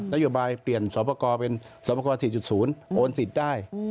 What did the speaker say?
นโยบายเปลี่ยนสวพกรเป็นสวพกร๔๐โอนสิทธิ์ได้